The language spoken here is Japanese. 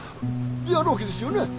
であるわけですよね？